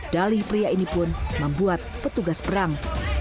dalih pria ini pun membuat petugas perang